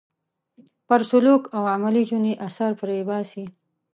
پر سلوک او عملي ژوند یې اثر پرې باسي.